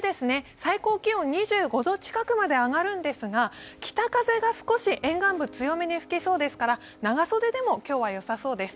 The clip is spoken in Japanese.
最高気温２５度近くまで上がるんですが北風が少し沿岸部強めに吹きそうですから長袖でも今日はよさそうです。